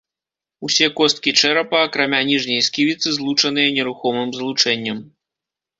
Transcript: Усе косткі чэрапа, акрамя ніжняй сківіцы, злучаныя нерухомым злучэннем.